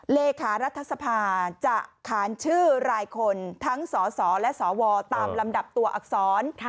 เลขารัฐสภาจะขานชื่อรายคนทั้งสสและสวตามลำดับตัวอักษร